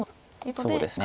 そうですね。